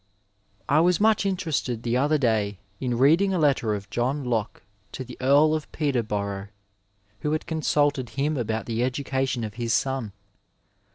I was much interested the other day in reading a letter of John Locke to the Earl of Peterborough who had con sulted hin^ about the education of his son.